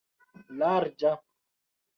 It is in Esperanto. larĝa